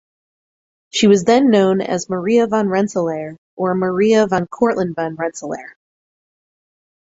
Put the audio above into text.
She was then known as Maria van Rensselaer or Maria van Cortland van Rensselaer.